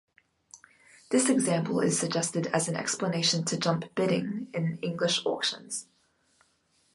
This example is suggested as an explanation to jump bidding in English auctions.